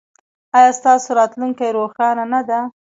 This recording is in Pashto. ایا ستاسو راتلونکې روښانه نه ده؟